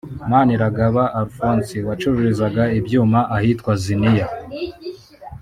Maniragaba Alphonse wacururizaga ibyuma ahitwa Ziniya